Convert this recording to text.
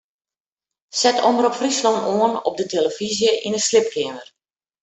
Set Omrop Fryslân oan op de tillefyzje yn 'e sliepkeamer.